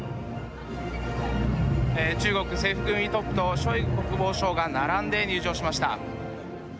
中国制服組トップとショイグ国防相が並んで入場しました。